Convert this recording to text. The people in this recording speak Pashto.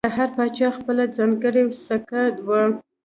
د هر پاچا خپله ځانګړې سکه وه